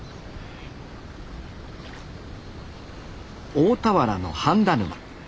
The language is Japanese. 大田原の羽田沼。